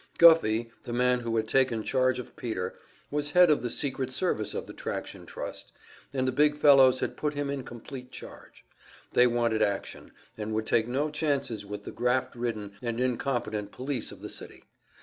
Guffey, the man who had taken charge of Peter, was head of the secret service of the Traction Trust, and the big fellows had put him in complete charge. They wanted action, and would take no chances with the graft ridden and incompetent police of the city.